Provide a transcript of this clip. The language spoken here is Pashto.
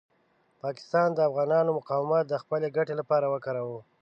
پاکستان د افغانانو مقاومت د خپلې ګټې لپاره وکاروه.